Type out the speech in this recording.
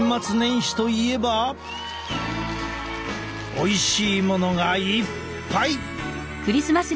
おいしいものがいっぱい！